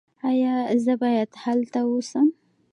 ایا زه باید هلته اوسم؟